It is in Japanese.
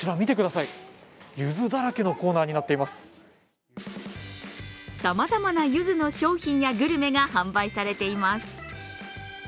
さまざまなゆずの商品やグルメが販売されています。